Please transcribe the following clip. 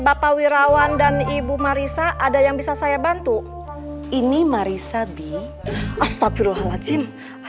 bapak wirawan dan ibu marissa ada yang bisa saya bantu ini marissa bi astagfirullahaladzim